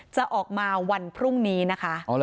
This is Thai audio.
จะออกมาวันพรุ่งนี้นะคะ